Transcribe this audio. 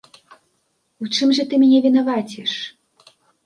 У чым жа ты мяне вінаваціш?